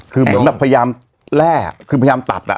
คือเหมือนแบบพยายามแร่คือพยายามตัดอ่ะ